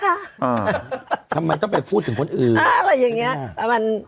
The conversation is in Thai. ทำไมต้องไปพูดถึงคนอื่นอะไรอย่างเงี้ย